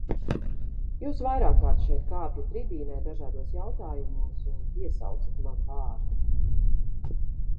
Jūs vairākkārt šeit kāpjat tribīnē dažādos jautājumos un piesaucat manu vārdu.